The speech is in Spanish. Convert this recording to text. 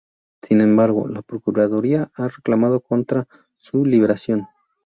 Sin embargo, la Procuraduría ha reclamado contra su liberación.